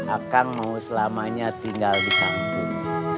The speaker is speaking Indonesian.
akang mau selamanya tinggal di kampung